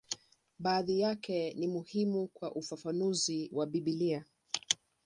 Baadhi yake ni muhimu kwa ufafanuzi wa Biblia.